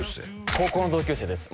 高校の同級生です